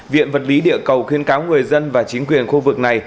viện vật lý địa cầu khuyên cáo người dân và chính quyền khu vực này